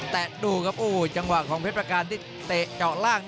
แต่ดูครับโอ้จังหวะของเพชรประการที่เตะเจาะล่าง